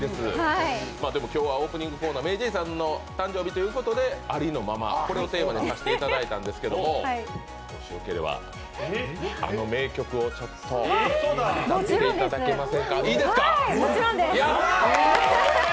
でも、今日はオープニングコーナー、ＭａｙＪ．さんの誕生日ということで「ありのまま」これをテーマにさせていただいたんですけれどそれではＭａｙＪ．さんに歌っていただきます。